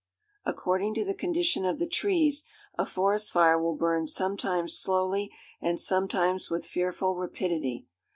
According to the condition of the trees, a forest fire will burn sometimes slowly and sometimes with fearful rapidity.